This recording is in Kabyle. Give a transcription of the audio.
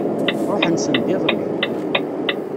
Ṛuḥen send iḍelli.